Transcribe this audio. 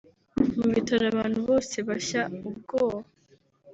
Mu bitaro abantu bose bashya ubwoba